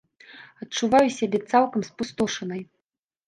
Адчуваю сябе цалкам спустошанай.